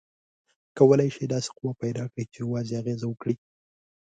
کولی شئ داسې قوه پیداکړئ چې یوازې اغیزه وکړي؟